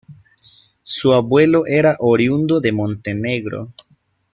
Su abuelo era oriundo de Montenegro.